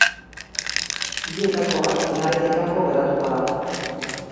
Bietako bat finaletik kanpo geratuko da.